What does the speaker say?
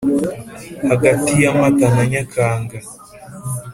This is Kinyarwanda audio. hagati ya mata na nyakanga